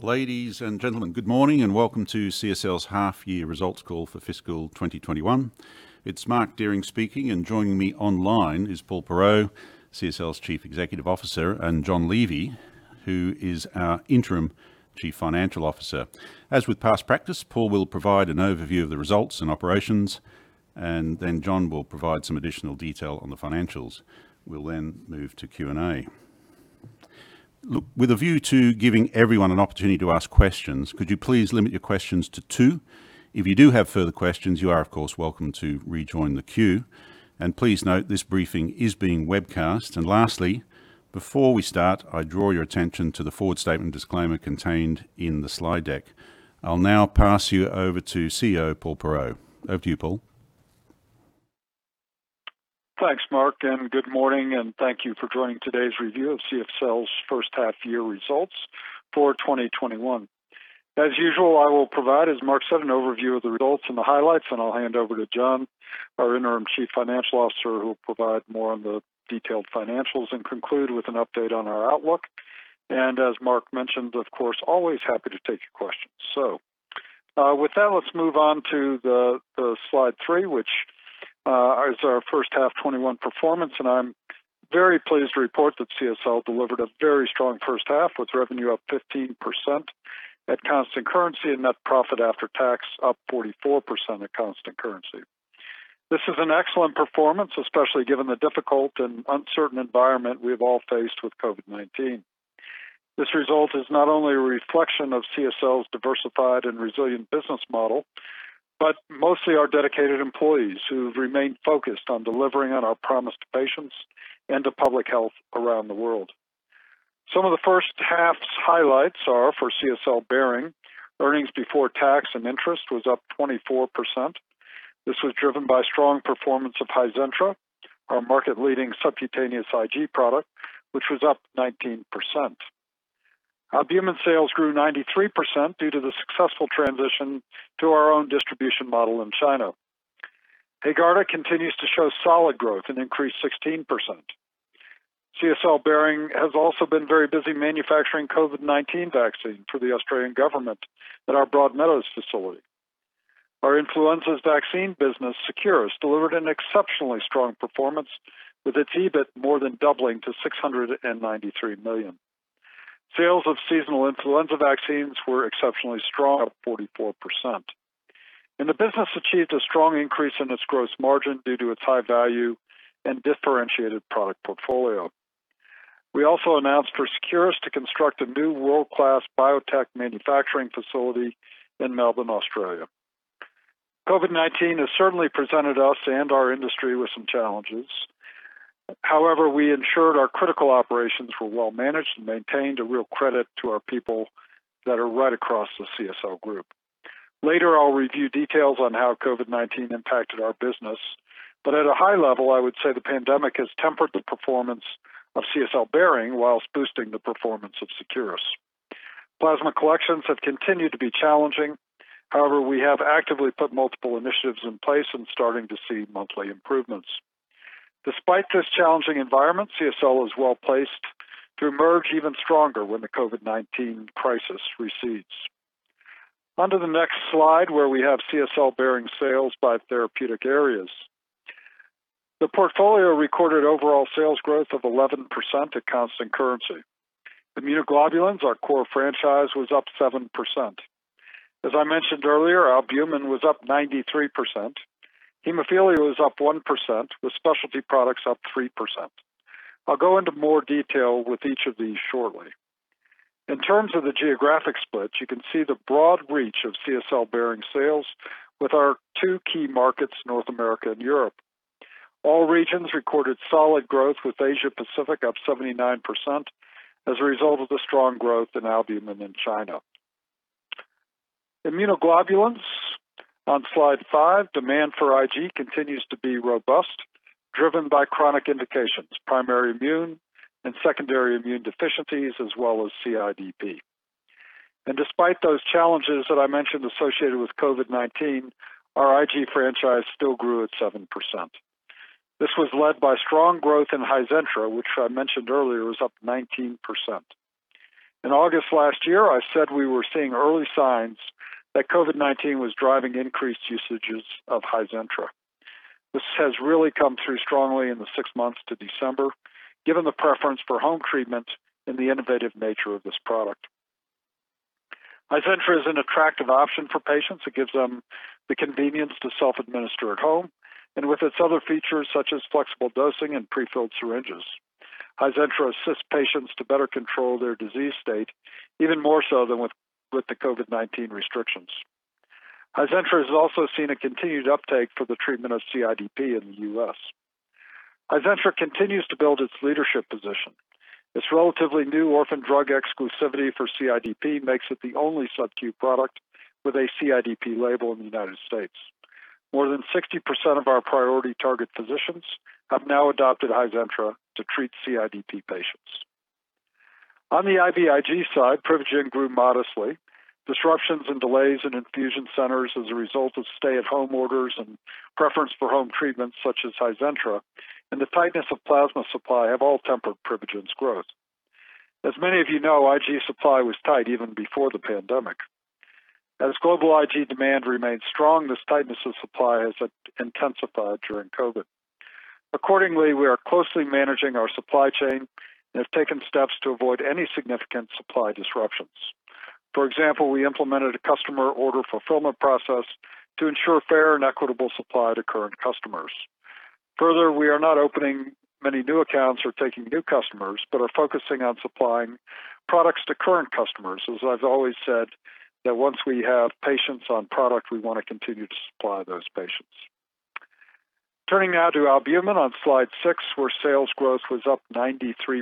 Ladies and gentlemen, good morning and welcome to CSL's half year results call for fiscal 2021. It's Mark Dehring speaking, and joining me online is Paul Perreault, CSL's Chief Executive Officer, and John Levy, who is our Interim Chief Financial Officer. As with past practice, Paul will provide an overview of the results and operations, and then John will provide some additional detail on the financials. We'll move to Q&A. Look, with a view to giving everyone an opportunity to ask questions, could you please limit your questions to two? If you do have further questions, you are, of course, welcome to rejoin the queue. Please note this briefing is being webcast. Lastly, before we start, I draw your attention to the forward statement disclaimer contained in the slide deck. I'll now pass you over to CEO Paul Perreault. Over to you, Paul. Thanks, Mark. Good morning and thank you for joining today's review of CSL's first half year results for 2021. As usual, I will provide, as Mark said, an overview of the results and the highlights. I'll hand over to John, our interim Chief Financial Officer, who will provide more on the detailed financials and conclude with an update on our outlook. As Mark mentioned, of course, always happy to take your questions. With that, let's move on to slide three, which is our first half 2021 performance. I'm very pleased to report that CSL delivered a very strong first half, with revenue up 15% at constant currency and net profit after tax up 44% at constant currency. This is an excellent performance, especially given the difficult and uncertain environment we've all faced with COVID-19. This result is not only a reflection of CSL's diversified and resilient business model, but mostly our dedicated employees who've remained focused on delivering on our promise to patients and to public health around the world. Some of the first half's highlights are for CSL Behring. Earnings before tax and interest was up 24%. This was driven by strong performance of HIZENTRA, our market-leading subcutaneous IG product, which was up 19%. Albumin sales grew 93% due to the successful transition to our own distribution model in China. HAEGARDA continues to show solid growth and increased 16%. CSL Behring has also been very busy manufacturing COVID-19 vaccine for the Australian government at our Broadmeadows facility. Our influenza vaccine business, Seqirus, delivered an exceptionally strong performance with its EBIT more than doubling to 693 million. Sales of seasonal influenza vaccines were exceptionally strong at 44%. The business achieved a strong increase in its gross margin due to its high value and differentiated product portfolio. We also announced for Seqirus to construct a new world-class biotech manufacturing facility in Melbourne, Australia. COVID-19 has certainly presented us and our industry with some challenges. However, we ensured our critical operations were well managed and maintained, a real credit to our people that are right across the CSL group. Later, I'll review details on how COVID-19 impacted our business. At a high level, I would say the pandemic has tempered the performance of CSL Behring whilst boosting the performance of Seqirus. Plasma collections have continued to be challenging. We have actively put multiple initiatives in place and starting to see monthly improvements. Despite this challenging environment, CSL is well-placed to emerge even stronger when the COVID-19 crisis recedes. On to the next slide, where we have CSL Behring sales by therapeutic areas. The portfolio recorded overall sales growth of 11% at constant currency. Immunoglobulins, our core franchise, was up 7%. As I mentioned earlier, albumin was up 93%. Hemophilia was up 1%, with specialty products up 3%. I'll go into more detail with each of these shortly. In terms of the geographic split, you can see the broad reach of CSL Behring sales with our two key markets, North America and Europe. All regions recorded solid growth, with Asia Pacific up 79% as a result of the strong growth in albumin in China. Immunoglobulins on slide five. Demand for IG continues to be robust, driven by chronic indications, primary immune, and secondary immune deficiencies, as well as CIDP. Despite those challenges that I mentioned associated with COVID-19, our IG franchise still grew at 7%. This was led by strong growth in HIZENTRA, which I mentioned earlier was up 19%. In August last year, I said we were seeing early signs that COVID-19 was driving increased usages of HIZENTRA. This has really come through strongly in the six months to December, given the preference for home treatment and the innovative nature of this product. HIZENTRA is an attractive option for patients. It gives them the convenience to self-administer at home, and with its other features such as flexible dosing and prefilled syringes. HIZENTRA assists patients to better control their disease state, even more so than with the COVID-19 restrictions. HIZENTRA has also seen a continued uptake for the treatment of CIDP in the U.S. HIZENTRA continues to build its leadership position. Its relatively new orphan drug exclusivity for CIDP makes it the only sub-Q product with a CIDP label in the United States. More than 60% of our priority target physicians have now adopted HIZENTRA to treat CIDP patients. On the IVIG side, PRIVIGEN grew modestly. Disruptions and delays in infusion centers as a result of stay-at-home orders and preference for home treatments such as HIZENTRA, and the tightness of plasma supply have all tempered PRIVIGEN's growth. As many of you know, IG supply was tight even before the pandemic. As global IG demand remains strong, this tightness of supply has intensified during COVID. Accordingly, we are closely managing our supply chain and have taken steps to avoid any significant supply disruptions. For example, we implemented a customer order fulfillment process to ensure fair and equitable supply to current customers. Further, we are not opening many new accounts or taking new customers, but are focusing on supplying products to current customers. As I've always said that once we have patients on product, we want to continue to supply those patients. Turning now to albumin on slide six, where sales growth was up 93%.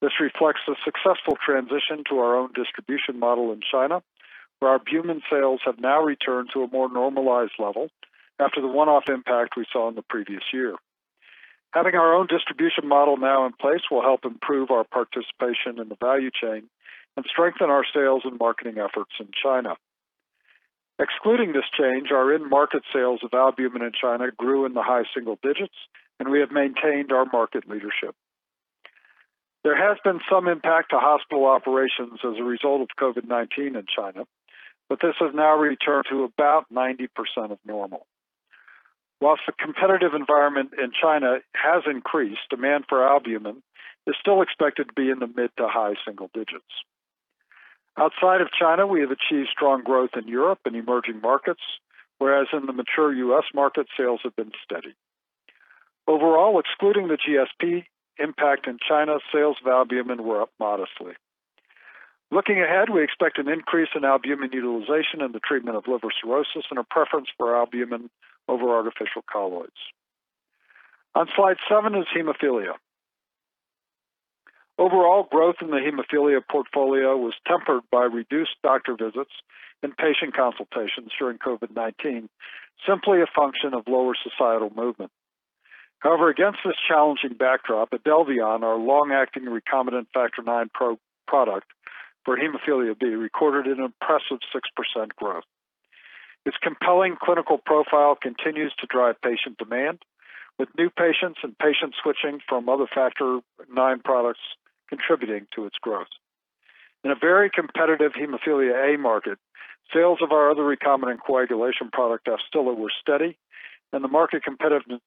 This reflects the successful transition to our own distribution model in China, where albumin sales have now returned to a more normalized level after the one-off impact we saw in the previous year. Having our own distribution model now in place will help improve our participation in the value chain and strengthen our sales and marketing efforts in China. Excluding this change, our in-market sales of albumin in China grew in the high single digits, and we have maintained our market leadership. There has been some impact to hospital operations as a result of COVID-19 in China, but this has now returned to about 90% of normal. Whilst the competitive environment in China has increased, demand for albumin is still expected to be in the mid to high single digits. Outside of China, we have achieved strong growth in Europe and emerging markets, whereas in the mature U.S. market, sales have been steady. Overall, excluding the GSP impact in China, sales of albumin were up modestly. Looking ahead, we expect an increase in albumin utilization in the treatment of liver cirrhosis and a preference for albumin over artificial colloids. On slide seven is hemophilia. Overall growth in the hemophilia portfolio was tempered by reduced doctor visits and patient consultations during COVID-19, simply a function of lower societal movement. Against this challenging backdrop, IDELVION, our long-acting recombinant factor IX product for hemophilia B, recorded an impressive 6% growth. Its compelling clinical profile continues to drive patient demand, with new patients and patients switching from other factor nine products contributing to its growth. In a very competitive hemophilia A market, sales of our other recombinant coagulation product, AFSTYLA, were steady, and the market competitiveness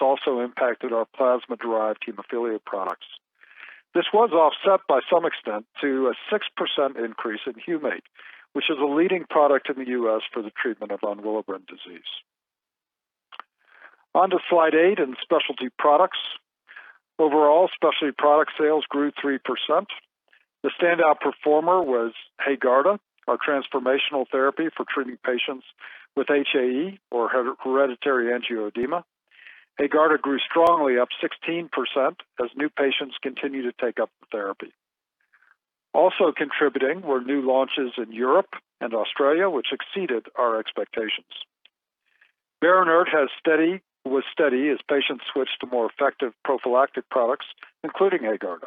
also impacted our plasma-derived hemophilia products. This was offset to some extent to a 6% increase in Humate, which is a leading product in the U.S. for the treatment of von Willebrand disease. On to slide eight and specialty products. Overall, specialty product sales grew 3%. The standout performer was HAEGARDA, our transformational therapy for treating patients with HAE or hereditary angioedema. HAEGARDA grew strongly, up 16%, as new patients continue to take up the therapy. Also contributing were new launches in Europe and Australia, which exceeded our expectations. BERINERT was steady as patients switched to more effective prophylactic products, including HAEGARDA.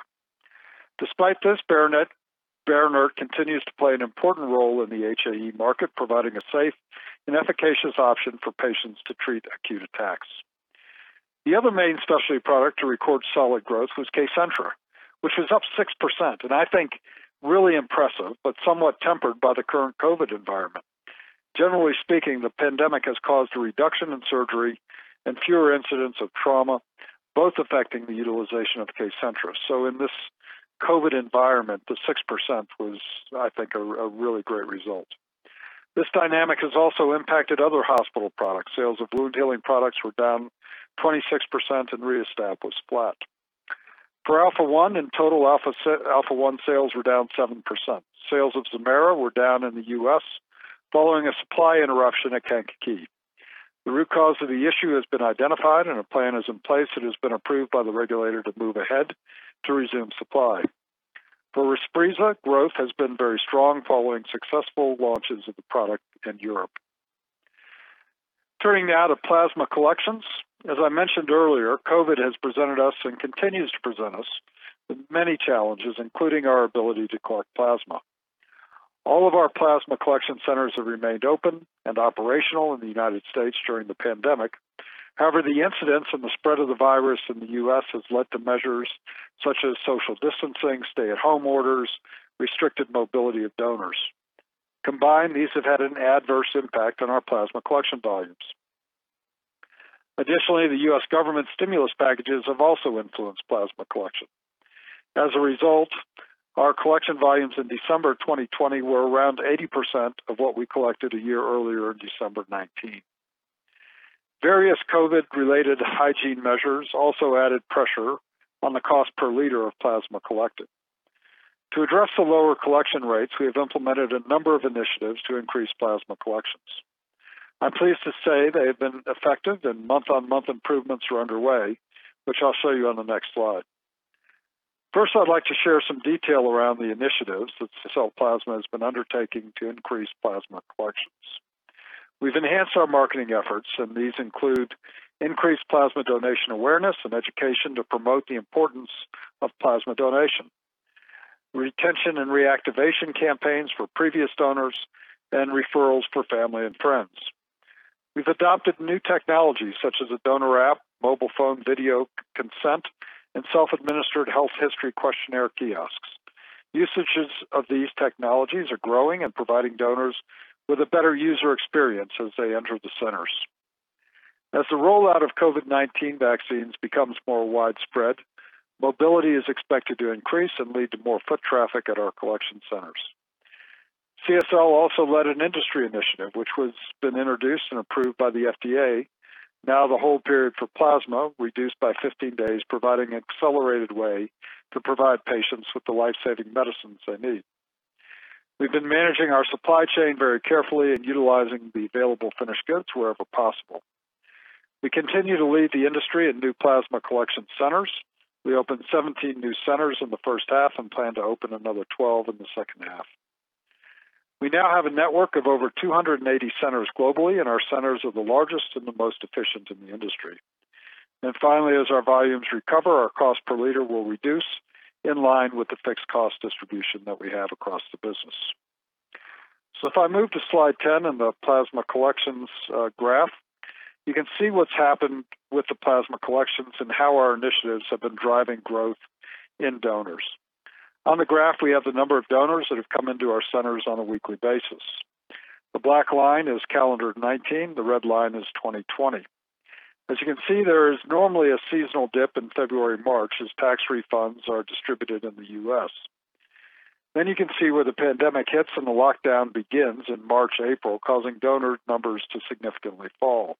Despite this, BERINERT continues to play an important role in the HAE market, providing a safe and efficacious option for patients to treat acute attacks. The other main specialty product to record solid growth was KCENTRA, which was up 6%, and I think really impressive, but somewhat tempered by the current COVID environment. Generally speaking, the pandemic has caused a reduction in surgery and fewer incidents of trauma, both affecting the utilization of KCENTRA. In this COVID environment, the 6% was, I think, a really great result. This dynamic has also impacted other hospital products. Sales of wound healing products were down 26%, and RIASTAP was flat. For alpha-1 and total alpha-1 sales were down 7%. Sales of ZEMAIRA were down in the U.S. following a supply interruption at Kankakee. The root cause of the issue has been identified and a plan is in place that has been approved by the regulator to move ahead to resume supply. For RESPREEZA, growth has been very strong following successful launches of the product in Europe. Turning now to plasma collections. As I mentioned earlier, COVID has presented us and continues to present us with many challenges, including our ability to collect plasma. All of our plasma collection centers have remained open and operational in the U.S. during the pandemic. However, the incidence and the spread of the virus in the U.S. has led to measures such as social distancing, stay-at-home orders, restricted mobility of donors. Combined, these have had an adverse impact on our plasma collection volumes. Additionally, the U.S. government stimulus packages have also influenced plasma collection. As a result, our collection volumes in December 2020 were around 80% of what we collected a year earlier in December 2019. Various COVID-related hygiene measures also added pressure on the cost per liter of plasma collected. To address the lower collection rates, we have implemented a number of initiatives to increase plasma collections. I'm pleased to say they have been effective and month-on-month improvements are underway, which I'll show you on the next slide. I'd like to share some detail around the initiatives that CSL Plasma has been undertaking to increase plasma collections. We've enhanced our marketing efforts, and these include increased plasma donation awareness and education to promote the importance of plasma donation, retention and reactivation campaigns for previous donors, and referrals for family and friends. We've adopted new technologies such as a donor app, mobile phone video consent, and self-administered health history questionnaire kiosks. Usages of these technologies are growing and providing donors with a better user experience as they enter the centers. As the rollout of COVID-19 vaccines becomes more widespread, mobility is expected to increase and lead to more foot traffic at our collection centers. CSL also led an industry initiative, which has been introduced and approved by the FDA. Now the hold period for plasma reduced by 15 days, providing an accelerated way to provide patients with the life-saving medicines they need. We've been managing our supply chain very carefully and utilizing the available finished goods wherever possible. We continue to lead the industry in new plasma collection centers. We opened 17 new centers in the first half and plan to open another 12 in the second half. We now have a network of over 280 centers globally, and our centers are the largest and the most efficient in the industry. Finally, as our volumes recover, our cost per liter will reduce in line with the fixed cost distribution that we have across the business. If I move to slide 10 in the plasma collections graph, you can see what's happened with the plasma collections and how our initiatives have been driving growth in donors. On the graph, we have the number of donors that have come into our centers on a weekly basis. The black line is calendar 2019, the red line is 2020. As you can see, there is normally a seasonal dip in February, March, as tax refunds are distributed in the U.S. You can see where the pandemic hits and the lockdown begins in March, April, causing donor numbers to significantly fall.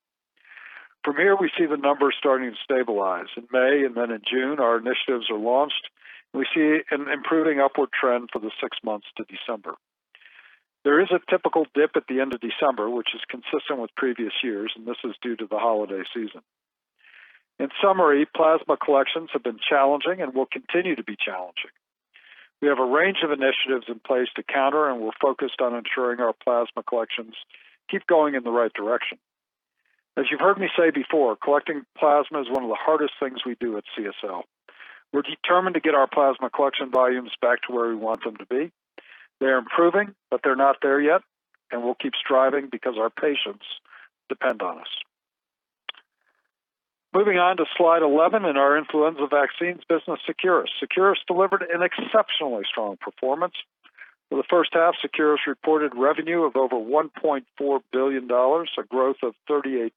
From here, we see the numbers starting to stabilize. In May and then in June, our initiatives are launched, and we see an improving upward trend for the six months to December. There is a typical dip at the end of December, which is consistent with previous years, and this is due to the holiday season. In summary, plasma collections have been challenging and will continue to be challenging. We have a range of initiatives in place to counter, and we're focused on ensuring our plasma collections keep going in the right direction. As you've heard me say before, collecting plasma is one of the hardest things we do at CSL. We're determined to get our plasma collection volumes back to where we want them to be. They're improving, but they're not there yet, and we'll keep striving because our patients depend on us. Moving on to slide 11 in our influenza vaccines business, Seqirus. Seqirus delivered an exceptionally strong performance. For the first half, Seqirus reported revenue of over $1.4 billion, a growth of 38%.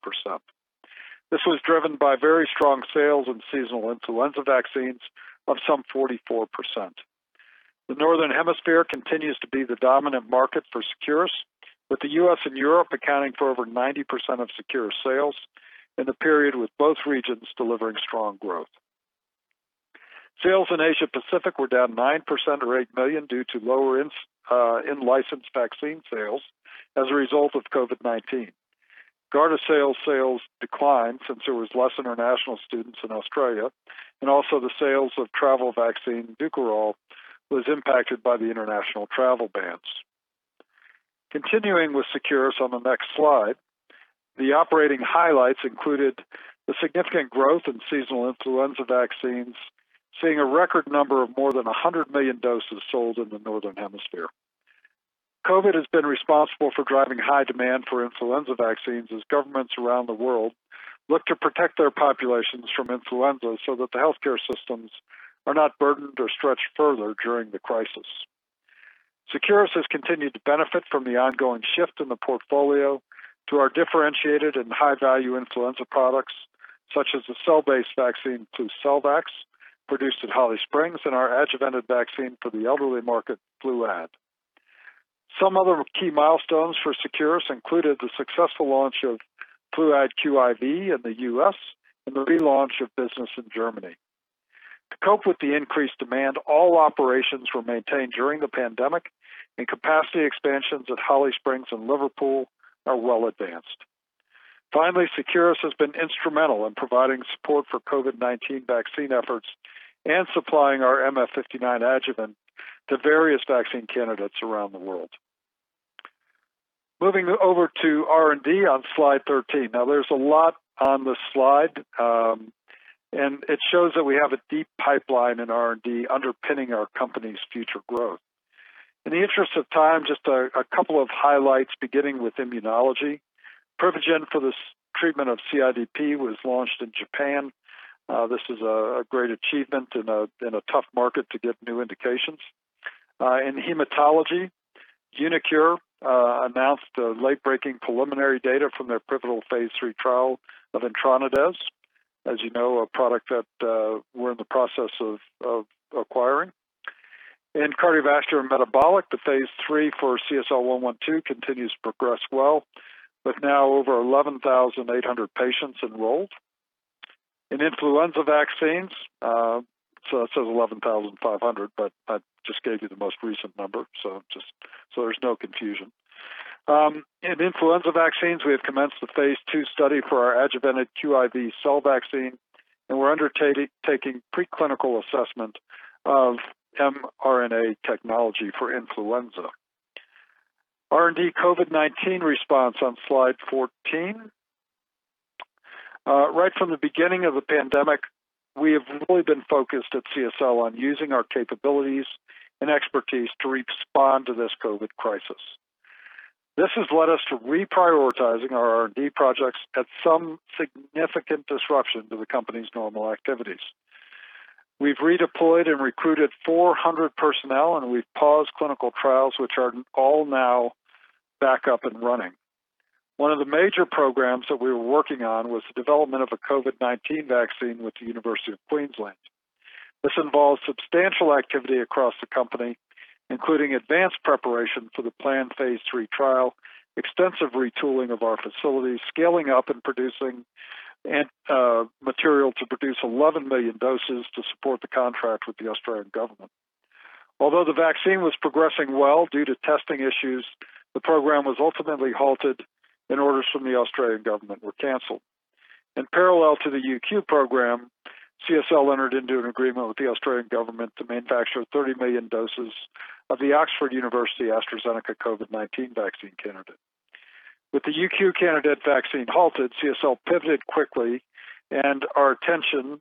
This was driven by very strong sales and seasonal influenza vaccines of some 44%. The Northern Hemisphere continues to be the dominant market for Seqirus, with the U.S. and Europe accounting for over 90% of Seqirus sales in the period, with both regions delivering strong growth. Sales in Asia Pacific were down 9% or $8 million due to lower in-licensed vaccine sales as a result of COVID-19. GARDASIL sales declined since there was less international students in Australia, and also the sales of travel vaccine DUKORAL was impacted by the international travel bans. Continuing with Seqirus on the next slide, the operating highlights included the significant growth in seasonal influenza vaccines, seeing a record number of more than 100 million doses sold in the Northern Hemisphere. COVID has been responsible for driving high demand for influenza vaccines as governments around the world look to protect their populations from influenza so that the healthcare systems are not burdened or stretched further during the crisis. Seqirus has continued to benefit from the ongoing shift in the portfolio to our differentiated and high-value influenza products, such as the cell-based vaccine FLUCELVAX, produced at Holly Springs, and our adjuvanted vaccine for the elderly market, FLUAD. Some other key milestones for Seqirus included the successful launch of FLUAD QIV in the U.S. and the relaunch of business in Germany. To cope with the increased demand, all operations were maintained during the pandemic, and capacity expansions at Holly Springs and Liverpool are well advanced. Finally, Seqirus has been instrumental in providing support for COVID-19 vaccine efforts and supplying our MF59 adjuvant to various vaccine candidates around the world. Moving over to R&D on slide 13. There's a lot on this slide, and it shows that we have a deep pipeline in R&D underpinning our company's future growth. In the interest of time, just a couple of highlights, beginning with immunology. PRIVIGEN for the treatment of CIDP was launched in Japan. This is a great achievement in a tough market to get new indications. In hematology, uniQure announced late-breaking preliminary data from their pivotal phase III trial of EtranaDez. As you know, a product that we're in the process of acquiring. In cardiovascular and metabolic, the phase III for CSL112 continues to progress well, with now over 11,800 patients enrolled. In influenza vaccines, so that says 11,500, but I just gave you the most recent number, so there's no confusion. In influenza vaccines, we have commenced the phase II study for our adjuvanted QIV cell vaccine. We're undertaking preclinical assessment of mRNA technology for influenza. R&D COVID-19 response on slide 14. Right from the beginning of the pandemic, we have really been focused at CSL on using our capabilities and expertise to respond to this COVID crisis. This has led us to reprioritizing our R&D projects at some significant disruption to the company's normal activities. We've redeployed and recruited 400 personnel. We've paused clinical trials, which are all now back up and running. One of the major programs that we were working on was the development of a COVID-19 vaccine with the University of Queensland. This involves substantial activity across the company, including advanced preparation for the planned phase III trial, extensive retooling of our facilities, scaling up and producing material to produce 11 million doses to support the contract with the Australian government. Although the vaccine was progressing well, due to testing issues, the program was ultimately halted, and orders from the Australian government were canceled. In parallel to the UQ program, CSL entered into an agreement with the Australian government to manufacture 30 million doses of the Oxford University AstraZeneca COVID-19 vaccine candidate. With the UQ candidate vaccine halted, CSL pivoted quickly, and our attention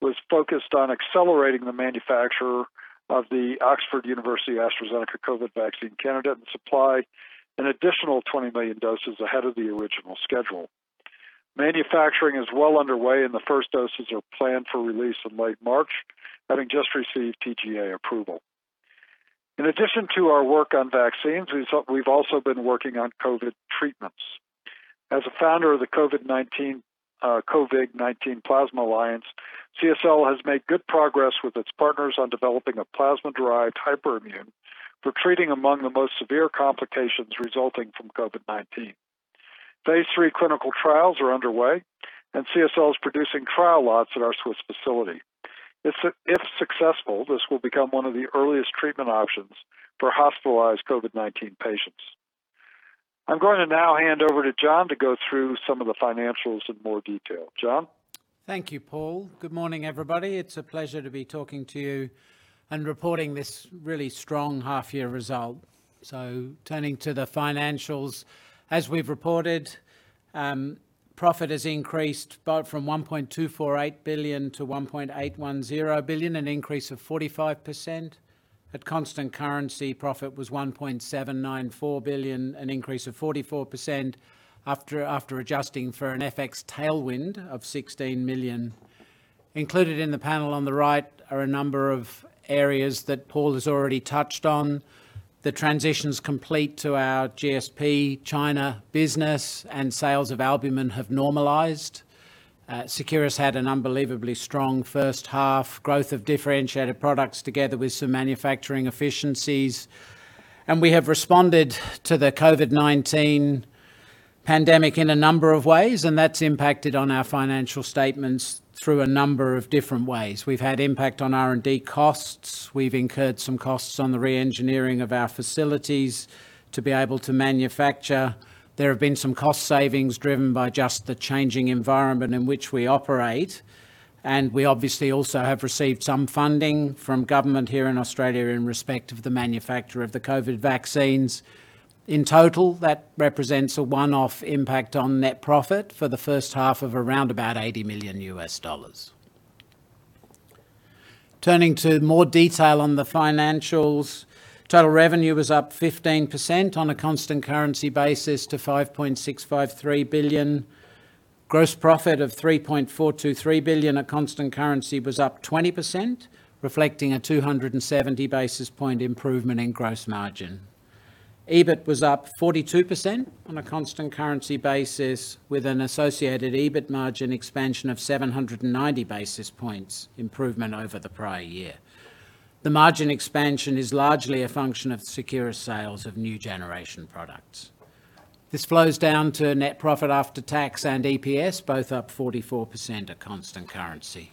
was focused on accelerating the manufacture of the Oxford University AstraZeneca COVID vaccine candidate and supply an additional 20 million doses ahead of the original schedule. Manufacturing is well underway, and the first doses are planned for release in late March, having just received TGA approval. In addition to our work on vaccines, we've also been working on COVID treatments. As a founder of the CoVIg-19 Plasma Alliance, CSL has made good progress with its partners on developing a plasma-derived hyperimmune for treating among the most severe complications resulting from COVID-19. phase III clinical trials are underway, and CSL is producing trial lots at our Swiss facility. If successful, this will become one of the earliest treatment options for hospitalized COVID-19 patients. I'm going to now hand over to John to go through some of the financials in more detail. John? Thank you, Paul. Good morning, everybody. It's a pleasure to be talking to you and reporting this really strong half-year result. Turning to the financials, as we've reported, profit has increased both from $1.248 billion to $1.810 billion, an increase of 45%. At constant currency, profit was $1.794 billion, an increase of 44% after adjusting for an FX tailwind of $16 million. Included in the panel on the right are a number of areas that Paul has already touched on. The transition's complete to our GSP China business. Sales of albumin have normalized. Seqirus had an unbelievably strong first half, growth of differentiated products together with some manufacturing efficiencies. We have responded to the COVID-19 pandemic in a number of ways. That's impacted on our financial statements through a number of different ways. We've had impact on R&D costs. We've incurred some costs on the re-engineering of our facilities to be able to manufacture. There have been some cost savings driven by just the changing environment in which we operate, and we obviously also have received some funding from government here in Australia in respect of the manufacture of the COVID vaccines. In total, that represents a one-off impact on net profit for the first half of around about $80 million. Turning to more detail on the financials, total revenue was up 15% on a constant currency basis to $5.653 billion. Gross profit of $3.423 billion at constant currency was up 20%, reflecting a 270 basis point improvement in gross margin. EBIT was up 42% on a constant currency basis with an associated EBIT margin expansion of 790 basis points improvement over the prior year. The margin expansion is largely a function of Seqirus sales of new generation products. This flows down to net profit after tax and EPS, both up 44% at constant currency.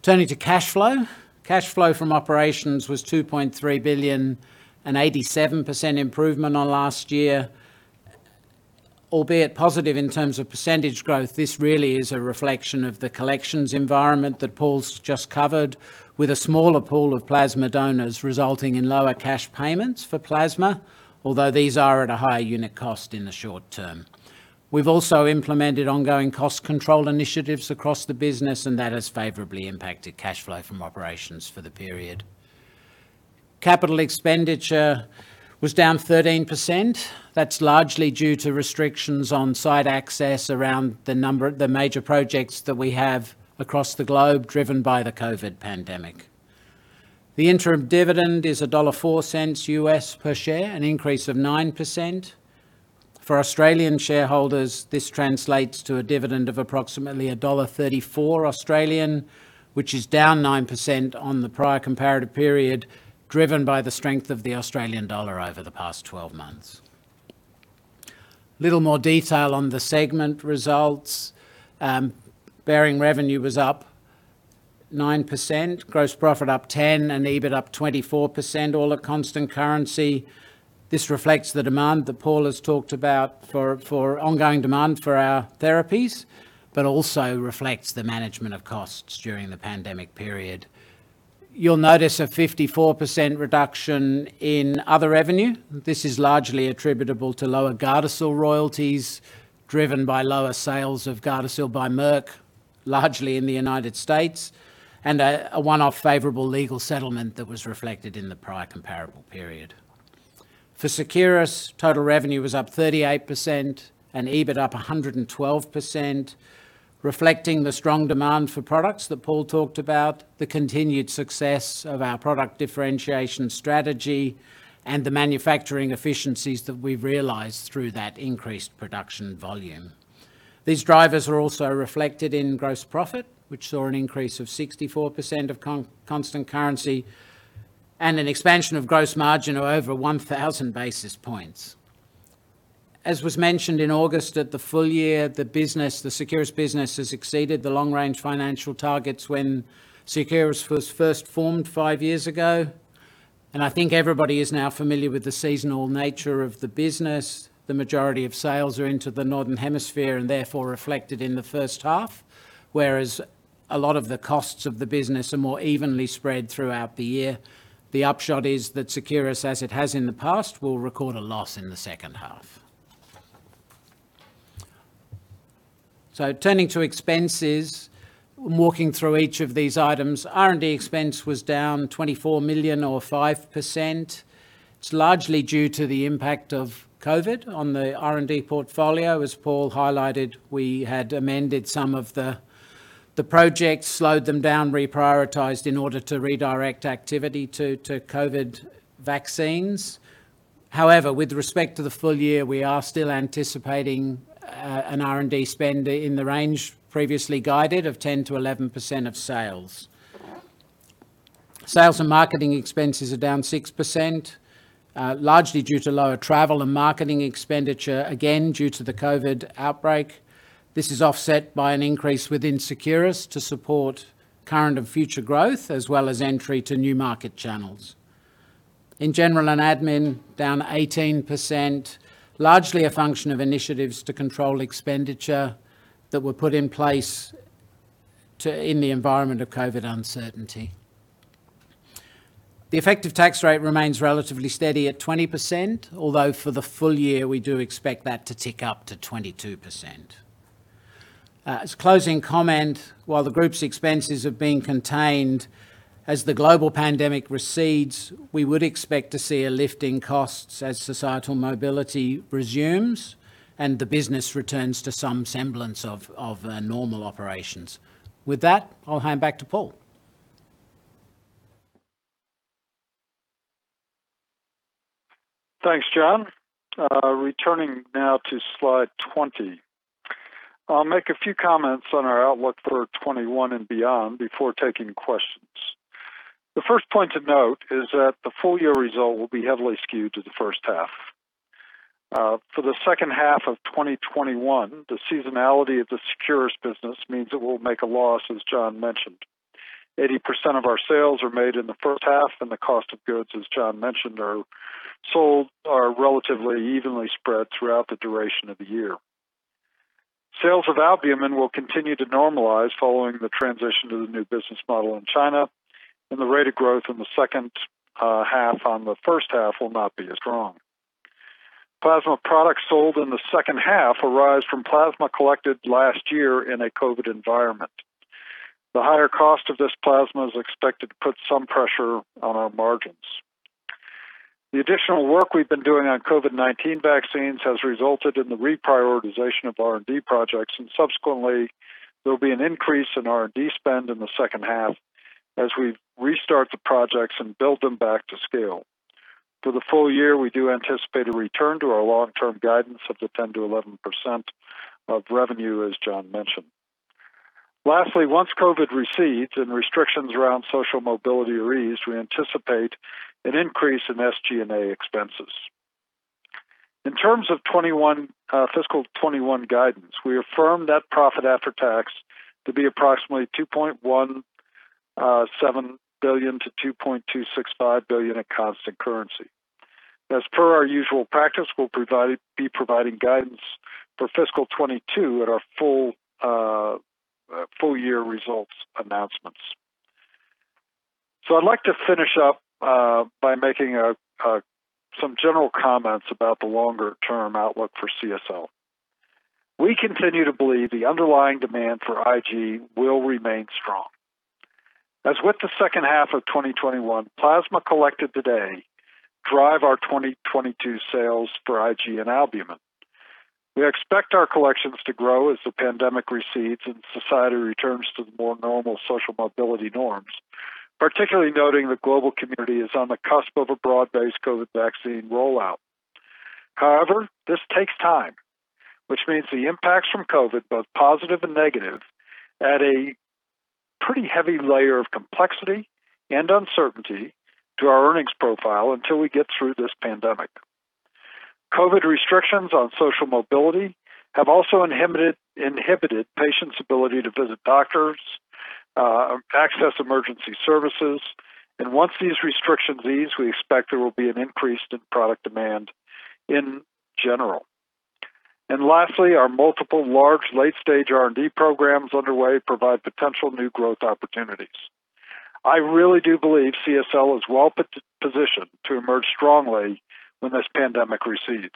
Turning to cash flow, cash flow from operations was $2.3 billion, an 87% improvement on last year. Albeit positive in terms of percentage growth, this really is a reflection of the collections environment that Paul's just covered, with a smaller pool of plasma donors resulting in lower cash payments for plasma. Although these are at a higher unit cost in the short term. We've also implemented ongoing cost control initiatives across the business, and that has favorably impacted cash flow from operations for the period. Capital expenditure was down 13%. That's largely due to restrictions on site access around the major projects that we have across the globe, driven by the COVID pandemic. The interim dividend is $1.04 per share, an increase of 9%. For Australian shareholders, this translates to a dividend of approximately dollar 1.34, which is down 9% on the prior comparative period, driven by the strength of the Australian dollar over the past 12 months. Little more detail on the segment results. Behring revenue was up 9%, gross profit up 10%, and EBIT up 24%, all at constant currency. This reflects the demand that Paul has talked about for ongoing demand for our therapies, but also reflects the management of costs during the pandemic period. You'll notice a 54% reduction in other revenue. This is largely attributable to lower GARDASIL royalties, driven by lower sales of GARDASIL by Merck, largely in the U.S., and a one-off favorable legal settlement that was reflected in the prior comparable period. For Seqirus, total revenue was up 38% and EBIT up 112%, reflecting the strong demand for products that Paul talked about, the continued success of our product differentiation strategy, and the manufacturing efficiencies that we've realized through that increased production volume. These drivers are also reflected in gross profit, which saw an increase of 64% of constant currency and an expansion of gross margin of over 1,000 basis points. As was mentioned in August, at the full year, the Seqirus business has exceeded the long-range financial targets when Seqirus was first formed five years ago. I think everybody is now familiar with the seasonal nature of the business. The majority of sales are into the Northern Hemisphere and therefore reflected in the first half, whereas a lot of the costs of the business are more evenly spread throughout the year. The upshot is that Seqirus, as it has in the past, will record a loss in the second half. Turning to expenses, walking through each of these items. R&D expense was down $24 million or 5%. It's largely due to the impact of COVID on the R&D portfolio. As Paul highlighted, we had amended some of the projects, slowed them down, reprioritized in order to redirect activity to COVID vaccines. However, with respect to the full year, we are still anticipating an R&D spend in the range previously guided of 10%-11% of sales. Sales and marketing expenses are down 6%, largely due to lower travel and marketing expenditure, again, due to the COVID outbreak. This is offset by an increase within Seqirus to support current and future growth, as well as entry to new market channels. In general and admin, down 18%, largely a function of initiatives to control expenditure that were put in place in the environment of COVID uncertainty. The effective tax rate remains relatively steady at 20%, although for the full year, we do expect that to tick up to 22%. As closing comment, while the group's expenses have been contained, as the global pandemic recedes, we would expect to see a lift in costs as societal mobility resumes and the business returns to some semblance of normal operations. With that, I'll hand back to Paul. Thanks, John. Returning now to slide 20. I'll make a few comments on our outlook for 2021 and beyond before taking questions. The first point to note is that the full-year result will be heavily skewed to the first half. For the second half of 2021, the seasonality of the Seqirus business means it will make a loss, as John mentioned. 80% of our sales are made in the first half, and the cost of goods, as John mentioned, are relatively evenly spread throughout the duration of the year. Sales of albumin will continue to normalize following the transition to the new business model in China, and the rate of growth in the second half on the first half will not be as strong. Plasma products sold in the second half arise from plasma collected last year in a COVID environment. The higher cost of this plasma is expected to put some pressure on our margins. The additional work we've been doing on COVID-19 vaccines has resulted in the reprioritization of R&D projects, and subsequently, there'll be an increase in R&D spend in the second half as we restart the projects and build them back to scale. For the full year, we do anticipate a return to our long-term guidance of the 10%-11% of revenue, as John mentioned. Lastly, once COVID recedes and restrictions around social mobility are eased, we anticipate an increase in SG&A expenses. In terms of fiscal 2021 guidance, we affirm that profit after tax to be approximately $2.17 billion-$2.265 billion at constant currency. As per our usual practice, we'll be providing guidance for fiscal 2022 at our full year results announcements. I'd like to finish up by making some general comments about the longer-term outlook for CSL. We continue to believe the underlying demand for IG will remain strong. As with the second half of 2021, plasma collected today drive our 2022 sales for IG and albumin. We expect our collections to grow as the pandemic recedes and society returns to the more normal social mobility norms, particularly noting the global community is on the cusp of a broad-based COVID vaccine rollout. However, this takes time, which means the impacts from COVID, both positive and negative, add a pretty heavy layer of complexity and uncertainty to our earnings profile until we get through this pandemic. COVID restrictions on social mobility have also inhibited patients' ability to visit doctors, access emergency services, and once these restrictions ease, we expect there will be an increase in product demand in general. Lastly, our multiple large late-stage R&D programs underway provide potential new growth opportunities. I really do believe CSL is well-positioned to emerge strongly when this pandemic recedes.